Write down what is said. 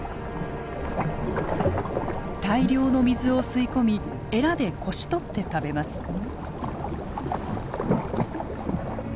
大量の水を吸い込みエラでこしとって食べます。